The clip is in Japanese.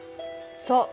そう。